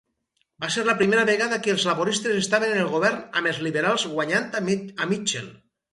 Va ser la primera vegada que els laboristes estaven en el govern amb els liberals guanyant a Mitchell.